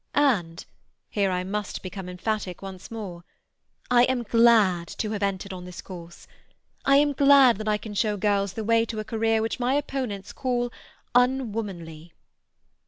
And (here I must become emphatic once more) I am glad to have entered on this course. I am glad that I can show girls the way to a career which my opponents call unwomanly.